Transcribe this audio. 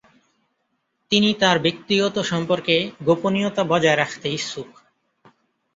তিনি তার ব্যক্তিগত সম্পর্কে গোপনীয়তা বজায় রাখতে ইচ্ছুক।